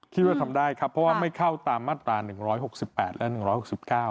คิดว่าทำได้ครับเพราะไม่เข้าตามมาตรา๑๖๘และ๑๖๙